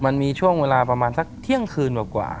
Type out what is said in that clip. มันมีช่วงเวลาประมาณสักเที่ยงคืนกว่า